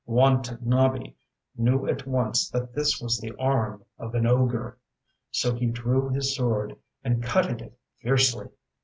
Watanabe knew at once that this was the arm of an ogre, so he drew his sword and cut at it fiercely.